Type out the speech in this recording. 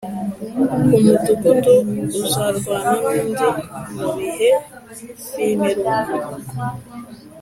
Umudugudu uzarwana n’undi mubihe b’imperuka